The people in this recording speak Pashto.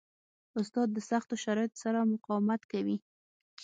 استاد د سختو شرایطو سره مقاومت کوي.